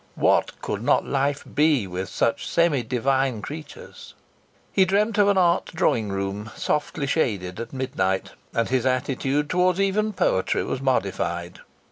What could not life be with such semi divine creatures? He dreamt of art drawing rooms softly shaded at midnight. And his attitude towards even poetry was modified.